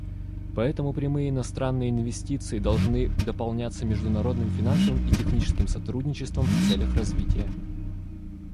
Поэтому прямые иностранные инвестиции должны дополняться международным финансовым и техническим сотрудничеством в целях развития.